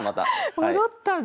戻ったんだ。